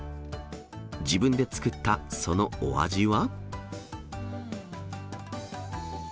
自分で作ったそのお味は？